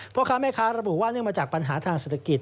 พ่อค้าแม่ค้าระบุว่าเนื่องมาจากปัญหาทางเศรษฐกิจ